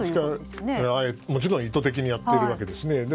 もちろん意図的にやってるわけですね。